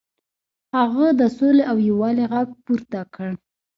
هغه د سولې او یووالي غږ پورته کړ.